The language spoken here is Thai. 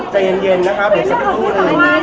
ใจเย็นเย็นนะครับเดี๋ยวใส่รูปคู่เลยอันนี้ก็เป็นต้องเหยียน